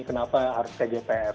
kenapa harus cgpf